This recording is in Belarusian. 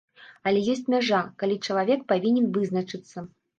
Але ёсць мяжа, калі чалавек павінен вызначыцца.